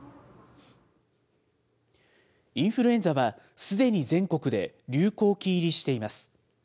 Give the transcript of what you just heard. インフルエンザはすでに全国で流行期入りしています。